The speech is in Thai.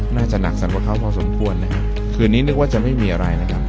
น่าจะหนักสักกว่าเขาพอสมควรนะครับคืนนี้นึกว่าจะไม่มีอะไรนะครับ